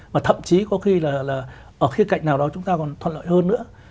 mà thậm chí có khi là ở khía cạnh nào đó chúng ta còn thuận lợi hơn nữa